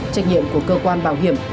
trách nhiệm của cơ quan bảo hiểm